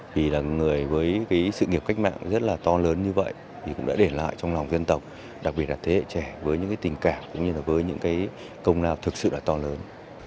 vì là người với cái sự nghiệp cách mạng rất là to lớn như vậy thì cũng đã để lại trong lòng dân tộc đặc biệt là thế hệ trẻ với những tình cảm cũng như là với những cái công lao thực sự là to lớn